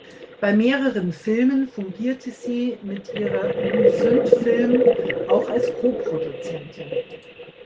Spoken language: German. Bei mehreren Filmen fungierte sie mit ihrer Lu-Synd-Film auch als Koproduzentin.